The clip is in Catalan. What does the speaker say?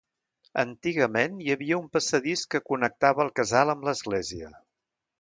Antigament hi havia un passadís que connectava el casal amb l'església.